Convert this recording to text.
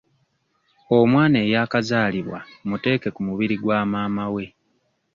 Omwana eyakazaalibwa muteeke ku mubiri gwa maama we.